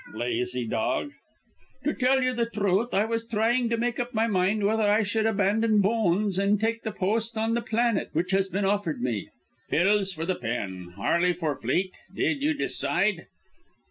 "Lazy dog." "To tell you the truth, I was trying to make up my mind whether I should abandon bones and take the post on the Planet which has been offered me." "Pills for the pen Harley for Fleet? Did you decide?"